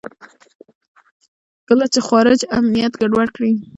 کله چې خوارج امنیت ګډوډ کړي.